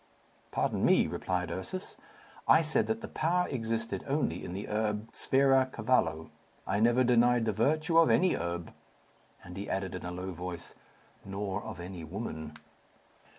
"Pardon me," replied Ursus. "I said that the power existed only in the herb sferra cavallo. I never denied the virtue of any herb," and he added, in a low voice, "nor of any woman."